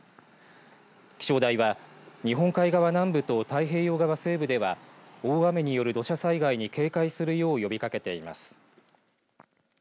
気象台は日本海側南部と太平洋側西部では大雨による土砂災害に警戒するよう呼びかけています。